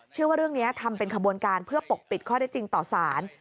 เชื่อว่าเรื่องนี้ทำเป็นขบวนการเพื่อปกปิดข้อได้จริงต่อสาร